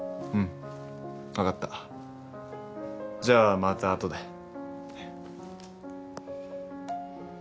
じゃあまた後で。